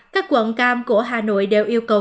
các quận cam của hà nội đều yêu cầu